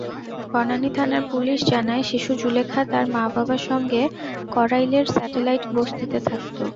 বনানী থানার পুলিশ জানায়, শিশু জুলেখা তার মা-বাবার সঙ্গে কড়াইলের স্যাটেলাইট বস্তিতে থাকত।